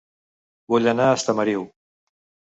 Vull anar a Estamariu